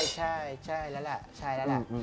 ใช่แล้วล่ะใช่แล้วล่ะ